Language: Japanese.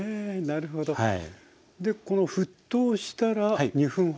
でこの沸騰したら２分ほど？